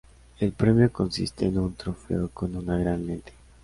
El premio consiste en un trofeo con una gran lente.